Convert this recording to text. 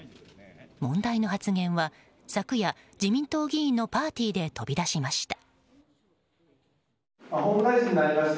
問題の発言は昨夜、自民党議員のパーティーで飛び出しました。